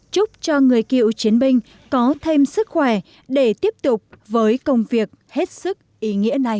chúc cho người cựu chiến binh có thêm sức khỏe để tiếp tục với công việc hết sức ý nghĩa này